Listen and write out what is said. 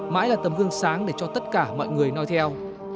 mãi là tầm gương sáng để cho tất cả mọi người nói theo